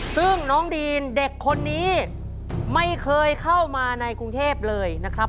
ซึ่งน้องดีนเด็กคนนี้ไม่เคยเข้ามาในกรุงเทพเลยนะครับ